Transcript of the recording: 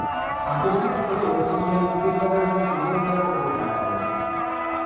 আন্তর্জাতিক ক্রিকেটে West Indian cricket দলের হয়ে সুন্দর খেলা প্রদর্শন করেন।